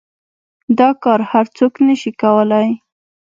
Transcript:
دا كار هر سوك نشي كولاى.